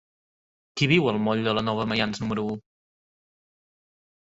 Qui viu al moll de la Nova Maians número u?